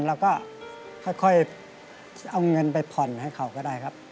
เริ่มต้องไปทำอะไรครับ